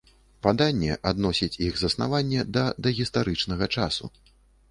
Паданне адносіць іх заснаванне да дагістарычнага часу.